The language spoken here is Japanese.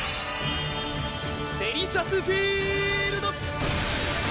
デリシャスフィールド！